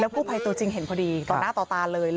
กู้ภัยตัวจริงเห็นพอดีต่อหน้าต่อตาเลย